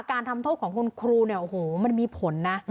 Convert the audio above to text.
การทำโทษของคุณครูเนี่ยโอ้โหมันมีผลนะ